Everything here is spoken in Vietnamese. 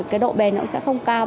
cái độ bền nó cũng sẽ không cao